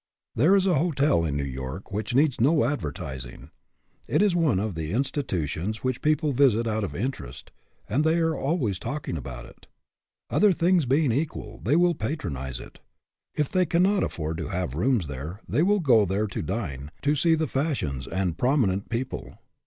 There is a hotel in New York which needs no advertising. It is one of the institutions which people visit out of interest, and they are always talking about it. Other things being equal, they will patronize it. If they cannot afford to have rooms there, they will go there to dine, to see the fashions, and prominent people.